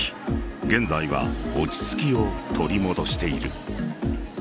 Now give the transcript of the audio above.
現在は落ち着きを取り戻している。